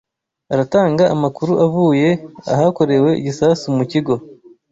aratanga amakuru avuye ahakorewe igisasu mu kigo